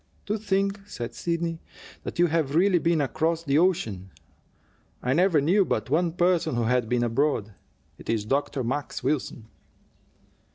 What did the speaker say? "To think," said Sidney, "that you have really been across the ocean! I never knew but one person who had been abroad. It is Dr. Max Wilson."